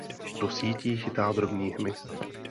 Do sítí chytá drobný hmyz.